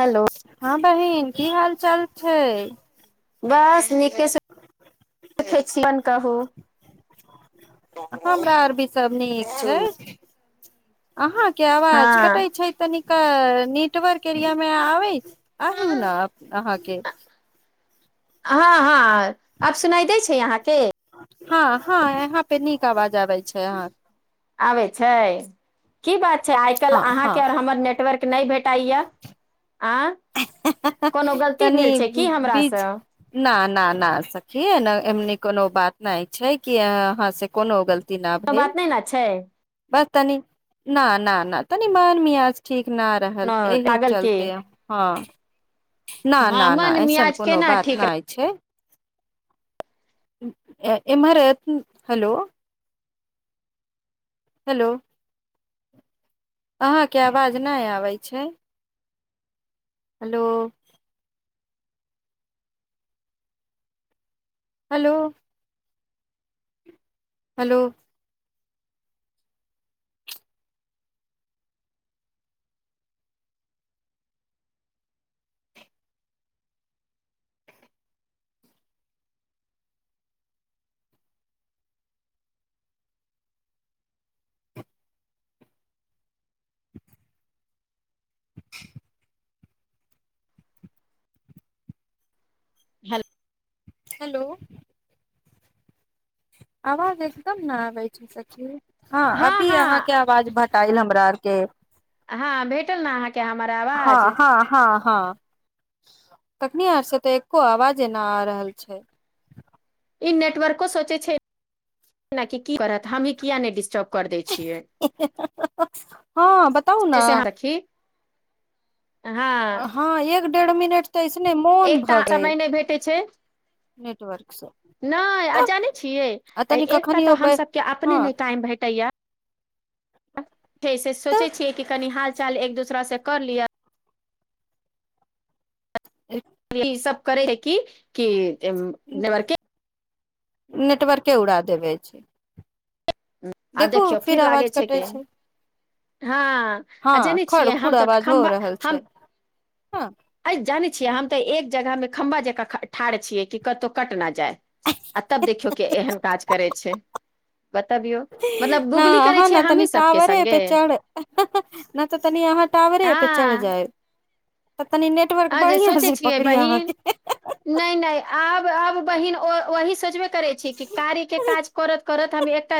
hello हँ बहिन की हाल चाल छै बस नीके से देखै छी अपन कहू हमरा आर भी सभ नीक छै आहाँ केँ आवाज हँ कटै छै तनीक नेटवर्क एरियामे आवैय आहू न अप अहाँकेँ हँ हँ आब सुनाई दैत छै अहाँकेँ हाँ हांँ यहाँ पे नीक आवाज आबै छै अहाँक आबैत छै की बात छैक आइ काल्हि हँ हँ अहाँके आओर हमर नेटवर्क नहि भेटाइय तनी भेल छै की हमरासँ बीज ना ना ना सखी न एमनी कोनो बात नहि छै कि अहाँसँ कोनो गलती ना कोनो भेल बात नहि ने छै बस तनी ना ना ना तनी मन मीयाज ठीक न रहल कोनो एहि पागल के चलते हँ ना हँ ना ना मन ऐसन मियाज कोनो केना बात ठीक रह नहि छै इम्हर एथिन हेलो हेलो अहाँकेँ आवाज नहि आबैत छै हेलो हेलो हेलो [inaudible] हेल हैलो आव हँ हँ अभी अहाँकेँ आवाज भेंटायल हमरा आर केँ हाँ भेटल नऽ अहाँकेँ हमर आवाज हाँ तखनी आर सँ तऽ एको आवाजे ना आ रहल छै ई नेटवर्को सोचैत छै न कि की करत हमहीं किया नहि डिस्टर्ब कर दै छियै हँ बताउ से न सखी हँ हँअ् एक डेढ़ मिनट तऽ ऐसने मोन एकटा भऽ गेल समय नई भेटै छैइ नेटवर्क से नई आ तऽ जानै छियै आ तनि एकटा कखनी ओ तऽ हमसभके अपने हँ नई टाइम भेटैय तऽ कि कनि हाल चाल एक दोसरा से कर लिअ ई सब करैहै है कि की न बरके नेटवर्के उड़ा देबै छैइ आ देखू देखियौ फेर आवाज कटै छैय हां आ जानै छियै हम तो आवाज हो खम्बा रहल छै हम हँ जानै छियै हम तऽ एक जगहमे खम्भा जका ठाढ़ छियै कतौ कट न जाय आ तब देखियौ के एहन काज करै छैइ बतबियौ मतलब गुगली करै छियै हमी सबके संगे नहि तऽ तनी यहाँ टावरे पे चढ हँ जाइ तनी नेटवर्क आ जे बढ़ियां सोचै छै छियै पकड़िय बहिन अहाँके नहि नहि आब आब बहिन वही सोचवे करै छी कि कार्य के काज करत करत हम एकटा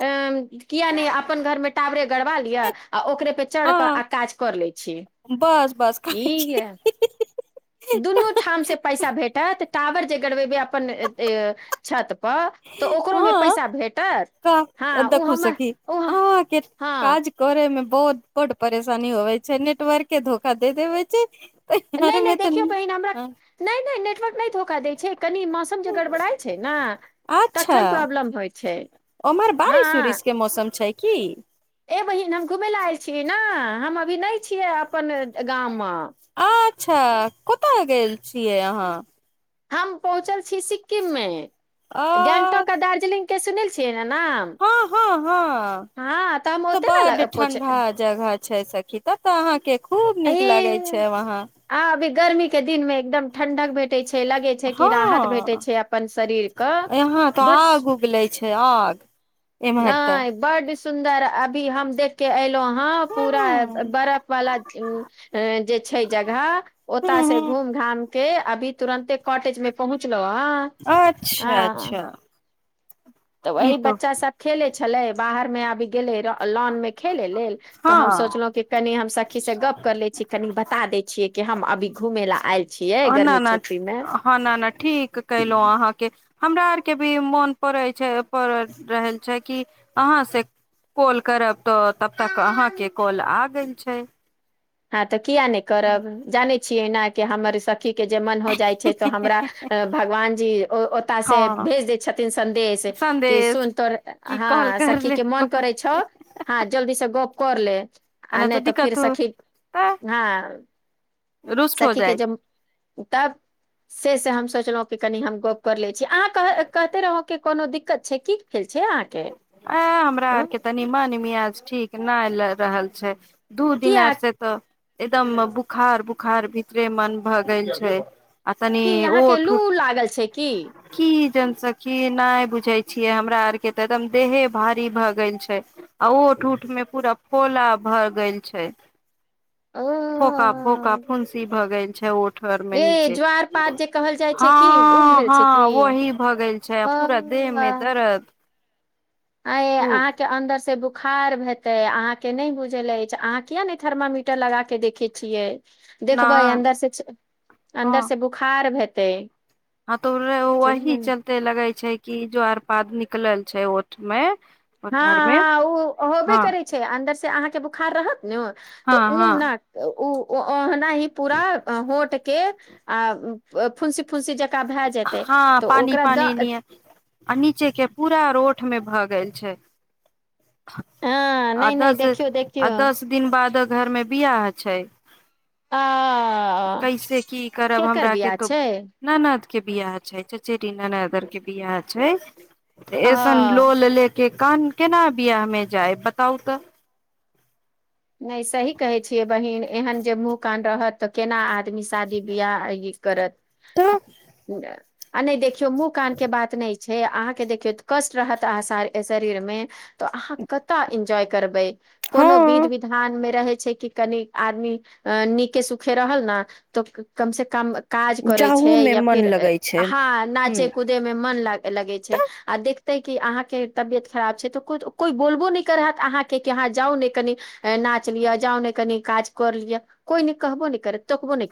किया नयि अपन घरमे टावरे गड़बा लिअ आ ओकरे पे चढ़ क हँ आ काज कर लै छी बस-बस काहे ई कि दुनू ठाम से पैसा भेटत टावर जे गड़बेबे अपन ए छत पर तऽ ओकरोमे हाँ पैसा भेटत हँ ओ देखू हमर सखी ओ अहाँ के हँ काज करेमे बहुत बड परेशानी होवे छै नेटवर्क के धोखा दे देबे छै तऽ घर नहि नहि में तऽ देखियौ बहिने हमरा नहि नहि नेटवर्क नहि धोखा दैत छै कनि मौसम जे गड़बड़ाइत छै ने तखन प्रॉब्लम होइ छै [unintelligible] ओम्हर बारिश हँ उरिश के मौसम छै की ए बहिन हम घुमै ले आयल छी नहि हम अभी नहि छियै अपन गाम म अच्छा कत गेल छियै अहाँ हम पहुँचल छी सिक्किममे गेंगटोक आ दार्जिलिंग के सुनल छियै ने नाम हाँ हाँ हाँ हँ हम तऽ ओते ने बड लग- पहुँच अ ठण्डा जगह छै सखी त तऽ अहाँके खूब नीक लागै छै अहे वहाँ आ अभी गर्मी के दिन मे एकदम ठणडक भेटै छै लगै छै कि राहत भेटै हँ छै अपन शरीरक यहाँ तऽ बड आग उगले छै आग एम्हर तऽ नहि बड सुन्दर अभी हम देख के एल अहाँ पूरा हँ बर्फ वाला जे छै जगह हँ ओतसे हँ घुम घाम क के अभी तुरन्ते कॉटेज मे पहुँच अच्छा अच्छा तऽ ई वही तो बच्चा सब खेलैइ छलै बाहर में आबि गेलै र लाॅन मे खेले लेल तऽ हम हँ सोचलहुं कि कनि हम सखी से गप कर ले छी कनि बता दै छियै कि हम अभी घुमे ला आयल छियै ना गर्मी ना छुट्टी में हँ ना ना ठीक कयलहुँ अहाँके हमरा आर के भी मोन पड़ै छैइ पड़ रहल छै कि अहाँ से कोल करब तऽ तब तक अहाँके कॉल आ गेल छय [unintelligible] तऽ किया न करब जानै छियै न कि हमर इस सखी के जे मन हो जाइ छैइ त हमरा भगवान जी ओत से हँ भेज दै छथिन संदेश कि संदेश सुन तोर की कॉल हँअ् कर सखी ले के मन करे छौ हँअ् जल्दी से गप कर ले आ ना नहि त तऽ दिक्कत फिर सखी तऽ हँ [unintelligible] रुष्ट हो सखी के जाइ जे तब से से हम सोचलहुँं कि कनि हम गप कर ले अहाँ कह कहिते रहौं कोनो दिक्कत छैइ की छै अहाँके आ हमरा अ आरके तनि मन मियाज आ ठीक नै ल रहल छय दू दिन आर किया से तऽ एकदम बुखार बुखार भीतरे मन भए गेल छय की अहाँके लू लागल छै की की सखी नय बुझै छियै हमरा आर के एकदम देहे भारी भऽ गेल छैइ आ ओठ उठ में पूरा फोला भऽ गेल छैइ ओ फोका फोका फ़ुन्सी भगैल छय ओठ कठर मे ए नीचे ज्वार पात जे कहल जाइ छै की उ हँअ् भेल छै की हँअ् वही भ गेल छैइ ओ पूरा देह में दरद आये अहाँ के अंन्दर से बुक बोखार हेतै अहाँ के नहि बुझल अछि अहाँ किया ने थर्मामीटर लगा के देखे छियै न देखबै अन्दर से अन्दर से बुखार भेै तइ हां तो वही चलते लगै छैइ कि जोआरपाद निकलल छैइ ओठ में हँ हँ ओ होबे करै छै अन्दर से अहाँके बुखार रहत नहि तऽ हँ ओ हँ नहि ओ ओ अ ी पूरा होट के आ फुंसी फुंसी ज हँ पानी पानी नियन ह आ नीचे के पूरा रोड ठ मे भऽ गेल छै हँ आ नहि नहि दस देखियौ आ देखियौ दस दिन बाद घर मे बियाह छै आ कैसे की करब केकर हमरा के बियाह तो छै ननद के बियाह छैेना ननद आरके बियाह छै त आ ई सन लो ल ले के कान केना बियाह मे जाय बताउ तऽ नहि सही कहै छियै बहीन एहन जे मुँह कन रहत तऽ केना आदमी शादी बियाह ई करत तऽ [inaudible] आ नहि देख मुँह कान के बात नहि छै छै अहाँके देखियौ कष्ट रहत अह शरीर मे तऽ अहाँ कतय इन्जॉय करबै कोनो बीध हँ बी मे रहे छै कि कनि आदमी अ नीके सुखे रहल ने तऽ कम से कम काज करै जाहू छै मे या मन फिर लगै छै हँ ह नाचे कूदे मे मन ल लगे छै तऽ आ देख तैं कि अहाँके तबियत खराब छै तऽ कोइ बोलबो नहि करत अहाँके कि अहाँ जाउ ने कनि नाच लियअ जाा ने कनी काज कर लिय कोई न कहबो ने करे तोखबो ने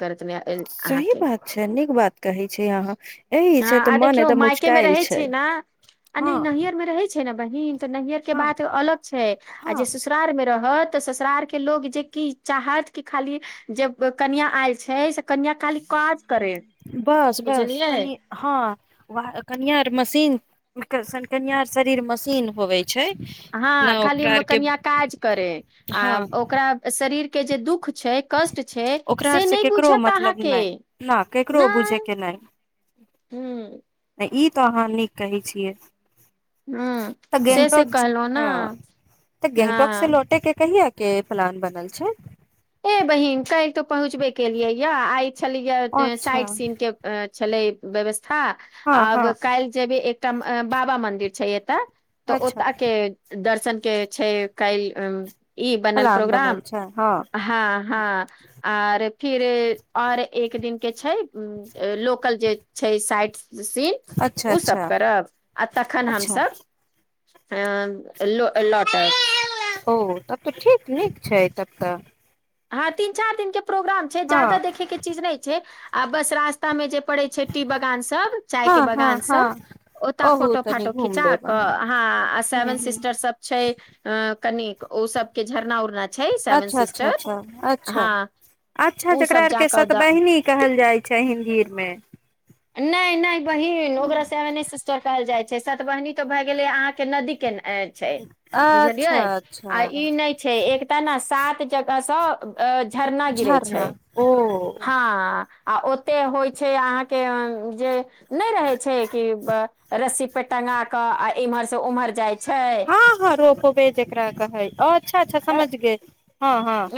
सही अहाँके बात छै नीक बात कहै छै अहाँ एहिह छै हँ तऽ आ मन देखियौ एकदम मायके मे उचटाायल रहै छै ने आ हँ नहि नैहर मे रहै छै न बहिन तऽ नैहर के हँ बात अलग छै आ हँ जे ससुरार मे रहत तऽ ससुरार के लोग जे कि चाहत कि खाली जब कनियाँ आयल छै से कनीयाौ काली बस बस कनि हँ कनियार मशीन शन कन्य शरीर मशीन होवे छै हँ ने खाली ओकरा आर के कनआ काज करे आ हँ ओकरा शरीर के जे दुःख छै कष्ट छै ओकरा आर से नहि केकरो बुझत मतलब अहाँके नहि न केकरो बुझे नहि के ह नहि ई तऽ अहाँ नीक कहै छियै ह तऽ से से गेंगटोक कहलहु ने हँ तऽ गेंगटोक से हँ लौटे के कहियए के प्लान बनल छै ए बहिन त तो पहुँचबे केलिये या आइ छलीय अच्छा साइड सीन के छलै व्यवस्थ ह हँ आब हँ काल्हि जेबै एक बाबा मंदिर छै एतऽ तऽ ओ अच्छा त के दर् सन के छै काल पलान बनल छै हँ हँ हँ आओर फिर और एक दिन के छै उ लोकल जे छै साइटसं सीन अच्छा ओसभ अच्छा करब आ तखन अच्छा हमसभ अ लो लोटर ओ तब तऽ ठीक नीक छै तब तऽ हँ तीन चार दिन के प्रोग्राम छै ज हँ जादा देखैके चीज नहि छै आ बस रास्ता में जे पड़े छै टी बगान सब चाय हँ के हँ बगान सब हँ ओता ओहू फोटो तनि फाटो घूम खिचा लेब क अहाँ अहा आ हूँ सेवन हूँ सिस्टर सब छै अ कनिक ओ सब के झरना उरना छै सेवेन अच्छा अच्छा सिस्टर अच्छा अच्छा हँ अच्छा ओ जेकरा सब आर के जाकऽ द सतबहिनी कहल जाइ छै ह भीड़ मे नहि नहि बहीन नोगरा सेव नहि सिस्टर कहल जाइत सतबहिनी तऽ भए गेलैहाँ के नदी के न अच छै बुझलियै अच्छा आ अच्छा ई नहि छै एकटा ने सात जगहसँ अ झरना गिरे छै झरना ओ हँ आ ओते होइ छै अहााँके के जे नहि रहे छै कि रस्सी पे टंगा के आ इम्हर से उम्हर जाइ छै हँ हँ रोपबे जेब रा कहइ ओ अच्छा अच्छा समझ गै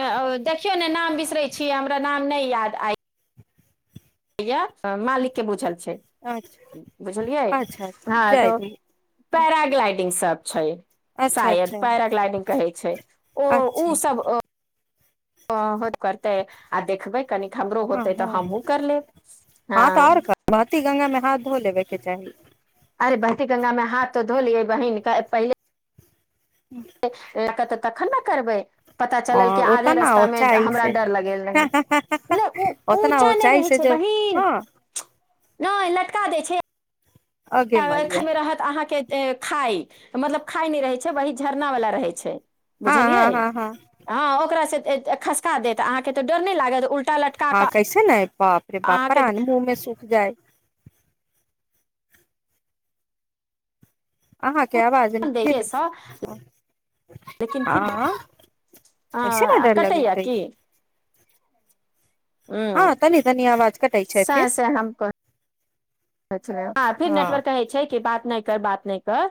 ओ देखियौ ने नाम बिसर े छी हमरा नाम नहि याद आइ भैया मालिक के बूझल अच्छा बुझलियै अच्छा हँ जाय तऽ दू पैराग्लाडिंग सब छै अच्छा शायद अच्छा पैराग्लांग कहै छै ओ अच्छा ओ सब ओ होत कररतै आ देखब कनिक हमरो हँ होतै हँ तऽ हमहूँ कर लेब हँ हा धो लेबेके चाही अरे बहती गंगा में हाथ तो धो लियै बहिन पहिले कत [inaudible] तखन ने करबै पता ह चलल कि आधे ओतना रास्ता मे ओचाइ हमरा से डर लगेल रहै नहि ओ ओतना ऊचा नहि ऊँचाइ रहे से छै जे बहिन हँ नेय लटका दै छै [inaudible] अगे मरिया खाइ मतलब खाय नहि रहै छै वही झरना वाला रहै छै हँ बुझलियै हँ हँ हँ हँ ओकार सँ खसका देत अहाँकेँ तऽ डर नहि लागत उलट हँ कैसे ने बाप रे बाप रनभूमे सु जाइ दैके सँ आ लेकिन फिर अ कटैया [inaudible] ह तनी तनी आवाज कटै छै स फेर से फिर हँ नेटवर्क कहै छै कि बात ने कर बात नहि कर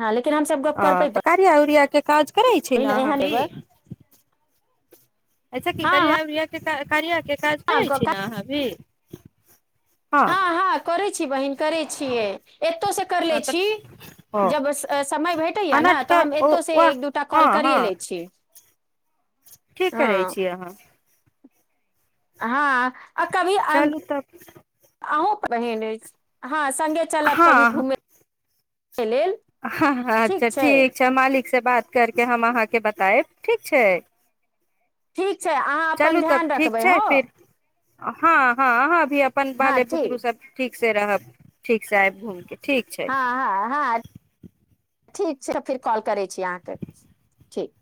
हँ लेकिन हमसब गप ओ करबै तऽ करिया उरिया काज करै छै ने एहन अहाँभी एबै अछ की हँ करयै करिय के काज करै हँ छी ने अहाँ भी [inaudible] हँ छी बहिन करै छियैय एतो से कर लय हँ तऽ छी ओ जब समय भेटत ऐ न अनट त् ओ ऐतो से वाह एक दू टा कौल हँ करये हँ लए छी ठीक करै हं छी अहाँ हँ आ कभी चलू तब अह बहिने हँ संगे चलब कभी घूमे ह अच्छा ठीक छै मालिक से बात करके हम अहाँके बतायब ठीक छै ठीक छै अहाँ अपन चलू तब ध्यान ठीक रखबै छै ह फिर हँ हँ अहाॅं भी अपन बाले पुत्रू सब ठीक ठीक से रहब ठीक से आयब घूम के ठीक छै हँ हँ हँ ठीक छै फेर कॉल करै छी अहाँके ठीक